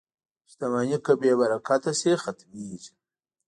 • شتمني که بې برکته شي، ختمېږي.